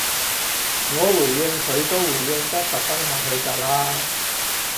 我回應佢都回應得十分客氣㗎喇